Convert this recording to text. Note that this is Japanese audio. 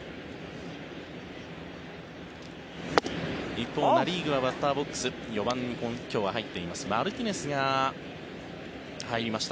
一方、ナ・リーグはバッターボックス４番に今日は入っていますマルティネスが入りました。